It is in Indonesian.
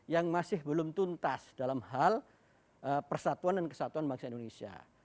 yang masih belum tuntas dalam hal persatuan dan kesatuan bangsa indonesia